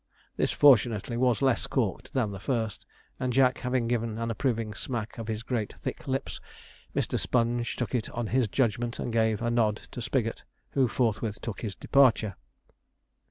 This fortunately was less corked than the first; and Jack having given an approving smack of his great thick lips, Mr. Sponge took it on his judgement, and gave a nod to Spigot, who forthwith took his departure.